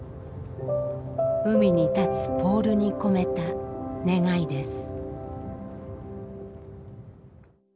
海に立つポールに込めた願いです。